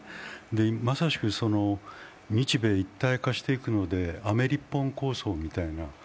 まさしく日米一体化していくのでアメリッポン構想みたいな。